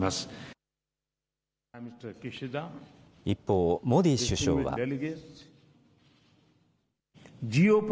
一方、モディ首相は。